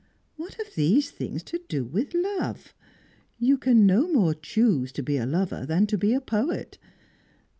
What have these things to do with love? You can no more choose to be a lover, than to be a poet.